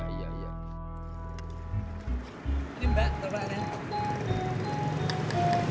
ini mbak tolong pakein